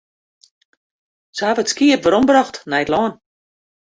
Se hawwe it skiep werombrocht nei it lân.